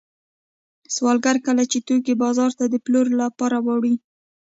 سوداګر کله چې توکي بازار ته د پلورلو لپاره وړي